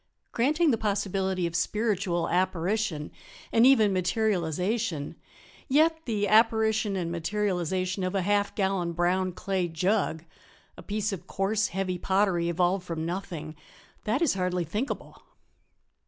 "Granting the possibility of spiritual apparition and even materialization, yet the apparition and materialization of a half gallon brown clay jug a piece of coarse, heavy pottery evolved from nothing that is hardly thinkable."